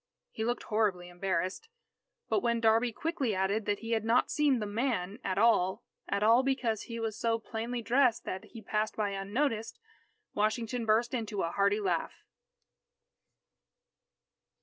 He looked horribly embarrassed. But when "Darby" quickly added that he had not seen the "man" at all at all because he was so plainly dressed that he passed by unnoticed, Washington burst into a hearty laugh.